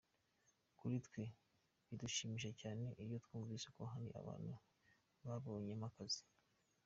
Kuri twe bidushimisha cyane iyo twumvise ko hari abantu babonyemo akazi.